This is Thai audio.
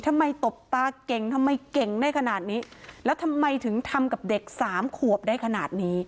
ตบตาเก่งทำไมเก่งได้ขนาดนี้แล้วทำไมถึงทำกับเด็กสามขวบได้ขนาดนี้